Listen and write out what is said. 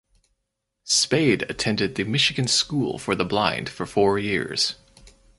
Spade attended the Michigan School for the Blind for four years.